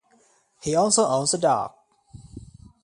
He also owns a dog.